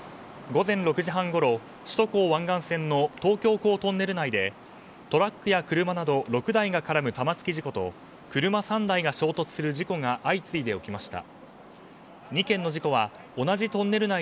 午前６時半ごろ首都高速湾岸線の東京港トンネル内でトラックや車など６台が絡む玉突き事故と車３台が衝突する事故が相次いで起きました。